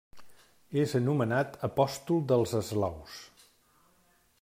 És anomenat apòstol dels eslaus.